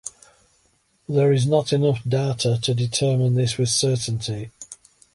There is not enough data to determine this with certainty.